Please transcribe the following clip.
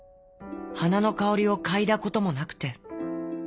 はなのかおりをかいだこともなくて。